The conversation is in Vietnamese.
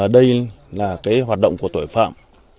đây là cái hoạt động của tội phạm